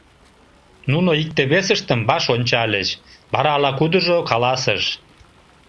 Нуно икте-весыштым ваш ончальыч, вара ала-кудыжо каласыш: